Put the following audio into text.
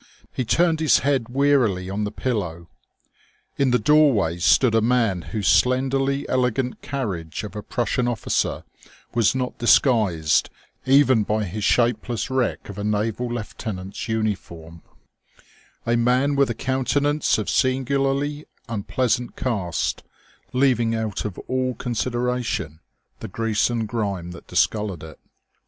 He turned his head wearily on the pillow. In the doorway stood a man whose slenderly elegant carriage of a Prussian officer was not disguised even by his shapeless wreck of a naval lieutenant's uniform, a man with a countenance of singularly unpleasant cast, leaving out of all consideration the grease and grime that discoloured it.